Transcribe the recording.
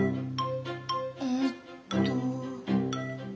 えっと。